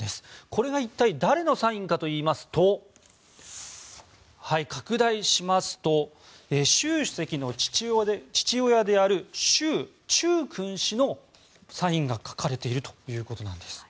これが一体誰のサインかといいますと拡大しますと習主席の父親であるシュウ・チュウクン氏のサインが書かれているということです。